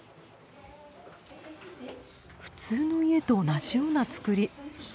普通の家と同じようなつくり。